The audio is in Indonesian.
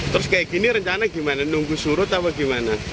terus kayak gini rencana gimana nunggu surut apa gimana